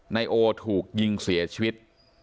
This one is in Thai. นายโอถูกยิงเสียชีวิต